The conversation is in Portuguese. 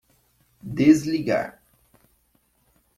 Desligar.